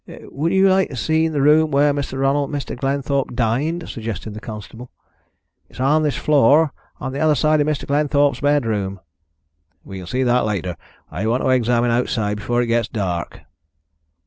"Would you like to see the room where Ronald and Mr. Glenthorpe dined?" suggested the constable. "It's on this floor, on the other side of Mr. Glenthorpe's bedroom." "We can see that later. I want to examine outside before it gets dark."